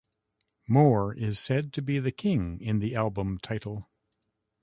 Moore is said to be the "King" in the album title.